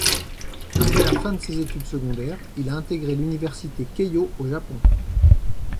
Après la fin de ses études secondaires, il a intégré l'université Keio au Japon.